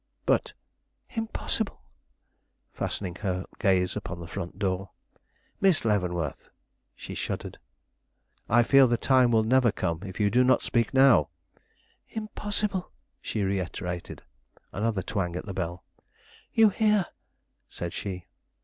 "But " "Impossible!" fastening her gaze upon the front door. "Miss Leavenworth!" She shuddered. "I fear the time will never come, if you do not speak now." "Impossible," she reiterated. Another twang at the bell. "You hear!" said she.